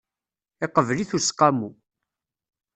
Iqbel-it useqqamu.